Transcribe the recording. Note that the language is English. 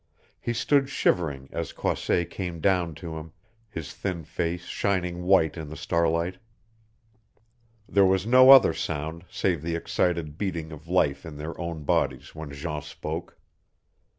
He stood shivering as Croisset came down to him, his thin face shining white in the starlight. There was no other sound save the excited beating of life in their own bodies when Jean spoke.